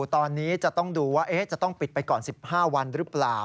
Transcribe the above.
ตอนนี้จะต้องดูว่าจะต้องปิดไปก่อน๑๕วันหรือเปล่า